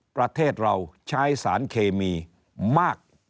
ประเทศเราใช้สารเคมีมาก